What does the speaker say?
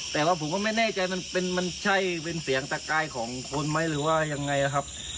แต่ว่าผมก็ไม่แน่ใจมันใช่เป็นเสียงตะกายของคนไหมหรือว่ายังไงนะครับ